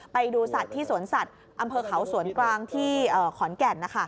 ไปดูสัตว์ที่สวนสัตว์อำเภอเขาสวนกลางที่ขอนแก่น